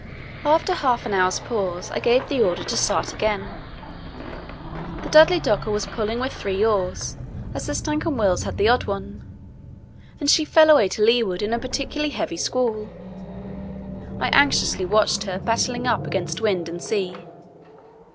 After half an hour's pause I gave the order to start again. The Dudley Docker was pulling with three oars, as the Stancomb Wills had the odd one, and she fell away to leeward in a particularly heavy squall. I anxiously watched her battling up against wind and sea.